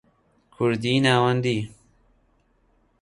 کوردیی ناوەندی